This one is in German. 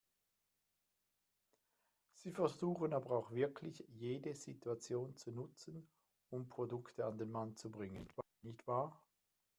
Sie versuchen aber auch wirklich jede Situation zu nutzen, um Produkte an den Mann zu bringen, nicht wahr?